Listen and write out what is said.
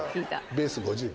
ベース５０。